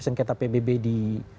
sengketa pbb di